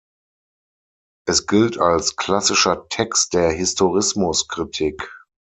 Es gilt als klassischer Text der Historismus-Kritik.